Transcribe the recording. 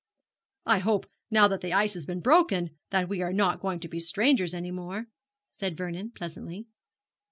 'I hope, now that the ice has been broken, that we are not going to be strangers any more,' said Vernon, pleasantly.